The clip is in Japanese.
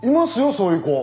そういう子。